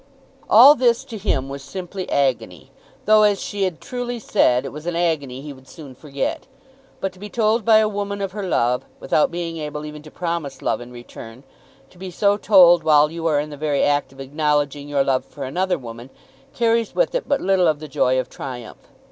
All this to him was simply agony, though as she had truly said it was an agony he would soon forget. But to be told by a woman of her love, without being able even to promise love in return, to be so told while you are in the very act of acknowledging your love for another woman, carries with it but little of the joy of triumph.